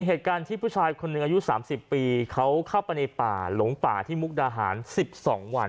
เหตุการณ์ที่ผู้ชายคนหนึ่งอายุ๓๐ปีเขาเข้าไปในป่าหลงป่าที่มุกดาหาร๑๒วัน